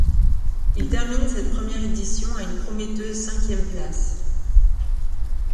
Il termine cette première édition à une prometteuse cinquième place.